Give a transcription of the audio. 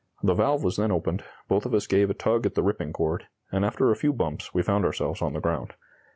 The valve was then opened, both of us gave a tug at the ripping cord, and after a few bumps we found ourselves on the ground.